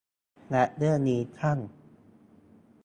และเรื่องนี้ท่าน